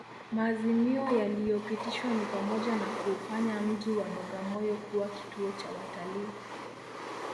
Maazimio yaliyopitishwa ni pamoja na kuufanya mji wa Bagamoyo kuwa kituo cha watalii